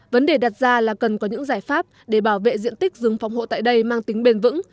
vấn đề đặt ra là cần có những giải pháp để bảo vệ diện tích rừng phòng hộ tại đây mang tính bền vững